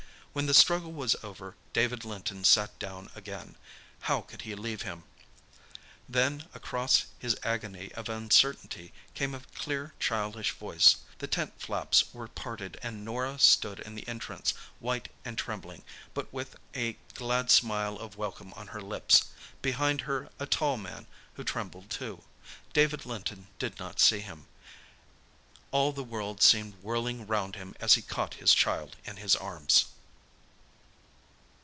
When the struggle was over David Linton sat down again. How could he leave him? Then across his agony of uncertainty came a clear childish voice. The tent flaps were parted and Norah stood in the entrance white and trembling, but with a glad smile of welcome on her lips—behind her a tall man, who trembled, too. David Linton did not see him. All the world seemed whirling round him as he caught his child in his arms.